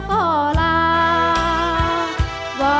จูบลูกหลายเท่าโยม